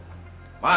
tidak ada apa apa